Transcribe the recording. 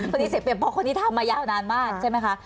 เสียเปรียบเพราะคนนี้ทำมายาวนานมากใช่ไหมคะ